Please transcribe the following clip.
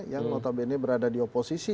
yang notabene berada di oposisi